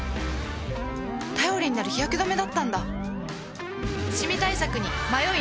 頼りになる日焼け止めだったんだ